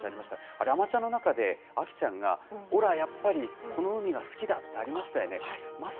あれ、あまちゃんの中で、あきちゃんが、おら、やっぱりこの海が好きだってありましたよね。